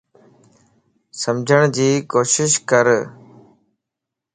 سمجھڙ جي ڪوشش ڪر